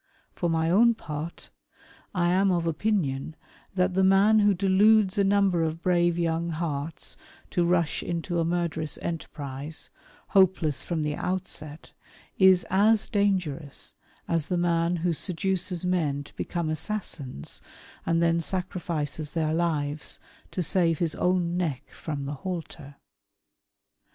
For my own part, I am of opinion that the man Avho deludes a number of brave young hearts to rush into a murderous enterprise, hopeless from the outset, is as dangerous as the man who seduces men to become assassins and then sacrifices their lives to save his own neck from the halter.